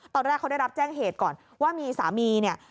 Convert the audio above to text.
ตอนแรกเขาได้รับแจ้งเหตุก่อนว่ามีสามีเนี่ย